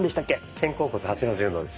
「肩甲骨８の字運動」です。